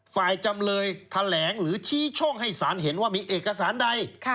จำเลยแถลงหรือชี้ช่องให้สารเห็นว่ามีเอกสารใด